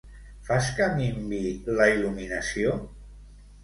Fas que minvi la il·luminació?